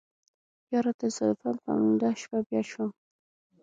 يره تصادفاً په امدا شپه بيا شوم.